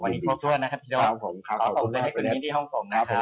วันนี้โทษนะครับที่เจ้าขอบคุณเลยให้คุณมินที่ห้องผมนะครับ